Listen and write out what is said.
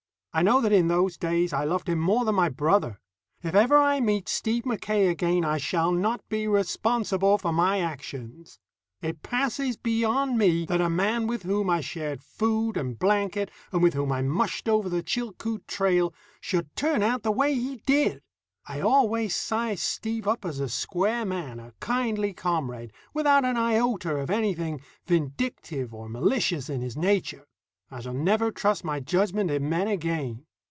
I know that in those days I loved him more than my brother. If ever I meet Stephen Mackaye again, I shall not be responsible for my actions. It passes beyond me that a man with whom I shared food and blanket, and with whom I mushed over the Chilcoot Trail, should turn out the way he did. I always sized Steve up as a square man, a kindly comrade, without an iota of anything vindictive or malicious in his nature. I shall never trust my judgment in men again.